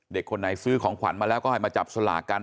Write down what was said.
คนไหนซื้อของขวัญมาแล้วก็ให้มาจับสลากกัน